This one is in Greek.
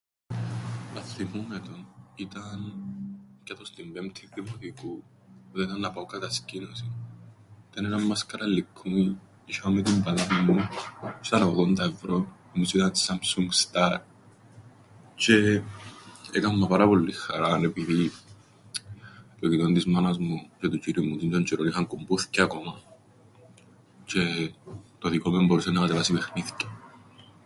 Αθθυμούμαι το, ήταν, έπια το στην πέμπτην δημοτικού. Ήταν να πάω κατασκήνωσην. Ήταν έναν μασκαραλλικκούιν ίσ̆ια με την παλάμην μου, τζ̆αι ήταν ογδόντα ευρώ. Νομίζω ήταν Samsung star, τζ̆αι έκαμμα πάρα πολλήν χαράν, επειδή το κινητόν της μάνας μου τζ̆αι του τζ̆΄υρη μου τζ̆είντον τζ̆αιρόν είχαν κουμπο΄υθκια ακόμα, τζ̆αι το δικόν μου εμπορούσεν να κατεβάσει παιχνίθκια.